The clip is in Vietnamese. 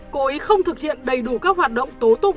cố ý không thực hiện đầy đủ các hoạt động tố tụng